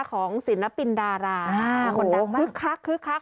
ของศิลปินดาราอ่าคนดักมากคึกคักคึกคัก